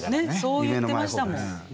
そう言ってましたもん。